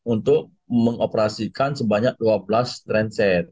untuk mengoperasikan sebanyak dua belas train set